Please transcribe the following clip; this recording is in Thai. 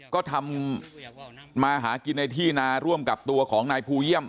ก็ทำมาหากินในที่นาร่วมกับตัวของนายภูเยี่ยม